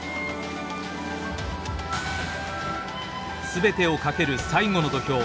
全てをかける最後の土俵。